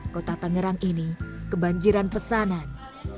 kota tangerang ini kebanjiran pesanan